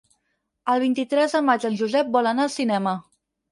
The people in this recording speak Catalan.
El vint-i-tres de maig en Josep vol anar al cinema.